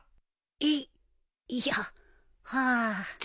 えっいやはあ。